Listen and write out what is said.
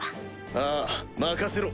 ああ任せろ。